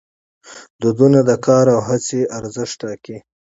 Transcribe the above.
فرهنګ د کار او هڅي ارزښت ټاکي.